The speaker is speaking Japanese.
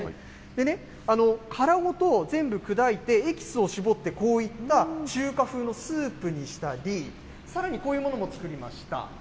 でね、殻ごと全部砕いて、エキスを搾ってこういった中華風のスープにしたり、さらに、こういうものを作りました。